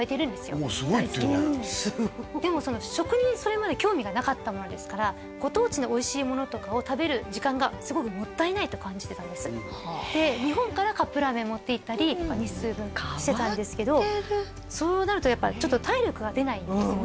すごっでも食にそれまで興味がなかったものですからご当地のおいしいものとかを食べる時間がすごくもったいないと感じてたんですで日本からカップラーメン持っていったり日数分してたんですけど変わってるそうなるとやっぱちょっと体力が出ないんですよね